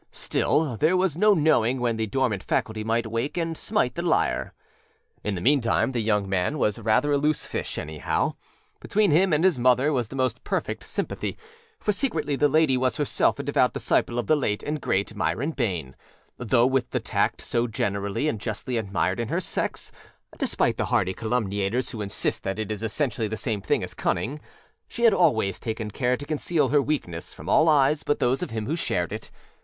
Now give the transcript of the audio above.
Still, there was no knowing when the dormant faculty might wake and smite the lyre. In the meantime the young man was rather a loose fish, anyhow. Between him and his mother was the most perfect sympathy, for secretly the lady was herself a devout disciple of the late and great Myron Bayne, though with the tact so generally and justly admired in her sex (despite the hardy calumniators who insist that it is essentially the same thing as cunning) she had always taken care to conceal her weakness from all eyes but those of him who shared it.